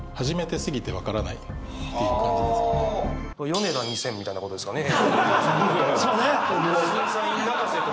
ヨネダ２０００みたいなことですかね